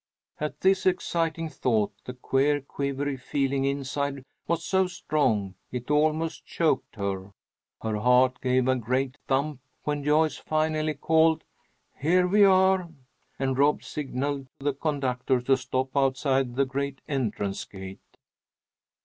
At this exciting thought the queer quivery feeling inside was so strong it almost choked her. Her heart gave a great thump when Joyce finally called, "Here we are," and Rob signalled the conductor to stop outside the great entrance gate.